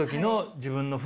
自分の服！